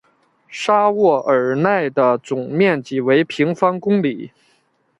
沙沃尔奈的总面积为平方公里。